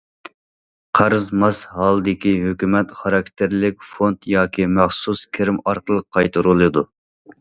قەرز ماس ھالدىكى ھۆكۈمەت خاراكتېرلىك فوند ياكى مەخسۇس كىرىم ئارقىلىق قايتۇرۇلىدۇ.